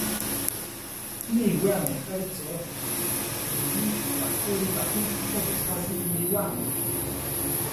Ne iwéami ekáli chéo: wúli bakóli bawí we repási wiliwámi.